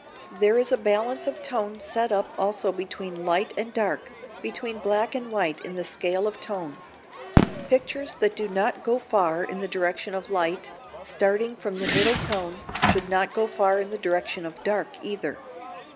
] There is a balance of tone set up also between light and dark, between black and white in the scale of tone. Pictures that do not go far in the direction of light, starting from a middle tone, should not go far in the direction of dark either.